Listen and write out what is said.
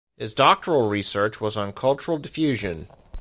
His doctoral research was on cultural diffusion.